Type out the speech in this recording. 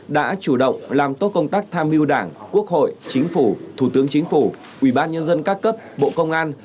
đã chủ động làm tốt công tác tham mưu đảng quốc hội chính phủ thủ tướng chính phủ ubnd các cấp bộ công an